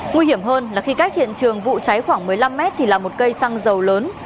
nguy hiểm hơn là khi cách hiện trường vụ cháy khoảng một mươi năm mét thì là một cây xăng dầu lớn